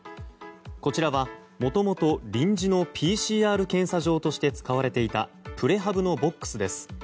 こちらは、もともと臨時のＰＣＲ検査場として使われていたプレハブのボックスです。